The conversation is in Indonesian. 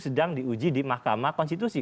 sedang diuji di mahkamah konstitusi